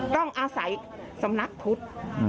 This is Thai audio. ต้องอาศัยสำนักพุทธ